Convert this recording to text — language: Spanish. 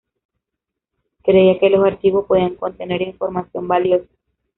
Creía que los archivos podían contener información valiosa.